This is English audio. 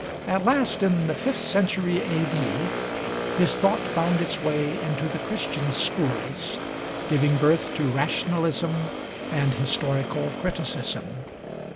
At last, in the fifth century A.D., his thought found its way into the Christian schools, giving birth to rationalism and historical criticism.